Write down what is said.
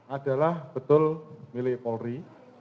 adalah betul milik polri